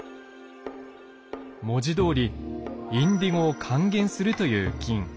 文字どおりインディゴを還元するという菌。